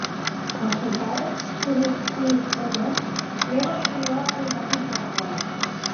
El seu pare, Philip E. Vernon, també va estudiar les habilitats intel·lectuals.